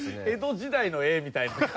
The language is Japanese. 江戸時代の絵みたいな。